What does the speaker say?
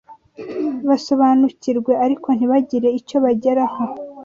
basobanukirwe ariko ntibagire icyo bageraho